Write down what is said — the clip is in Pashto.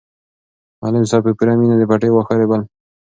معلم صاحب په پوره مینه د پټي واښه رېبل.